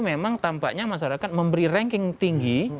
memang tampaknya masyarakat memberi ranking tinggi